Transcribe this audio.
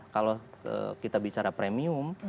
kalau kita bicara premium